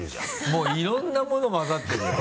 もういろんなものまざってるよ。